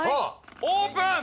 オープン！